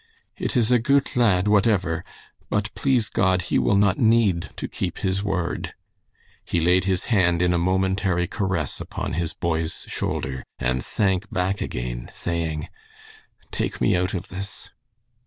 "It is a goot lad whatever, but please God he will not need to keep his word." He laid his hand in a momentary caress upon his boy's shoulder, and sank back again, saying, "Take me out of this."